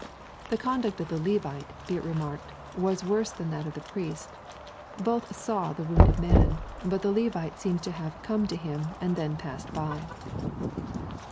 ] The conduct of the Levite, be it remarked, was worse than that of the Priest Both " saw" the wounded man, but the Levite seems to have " come" to him, and then passed by.